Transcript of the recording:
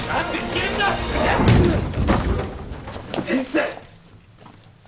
先生！